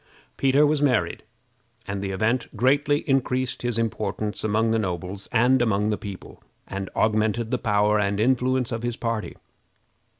Peter was married, and the event greatly increased his importance among the nobles and among the people, and augmented the power and influence of his party.